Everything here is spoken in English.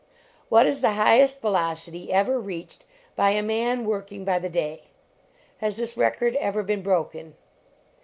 What is the high est velocity ever reached by a man working by the day ? lias this record ever been broken